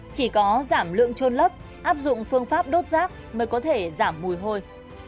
chỉ có giảm lượng trôn lấp áp dụng phương pháp đốt rác mới có thể giảm mùi hôi